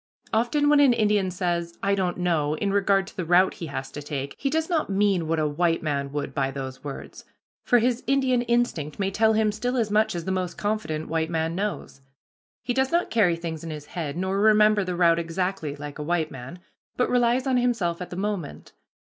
Often, when an Indian says, "I don't know," in regard to the route he is to take, he does not mean what a white man would by those words, for his Indian instinct may tell him still as much as the most confident white man knows. He does not carry things in his head, nor remember the route exactly, like a white man, but relies on himself at the moment.